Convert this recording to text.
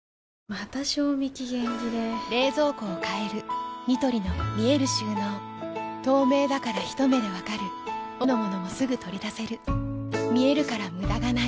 また賞味期限切れ冷蔵庫を変えるニトリの見える収納透明だからひと目で分かる奥の物もすぐ取り出せる見えるから無駄がないよし。